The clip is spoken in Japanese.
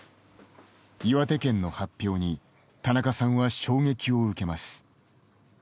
岩手県の発表に田中さんは衝撃を受けます。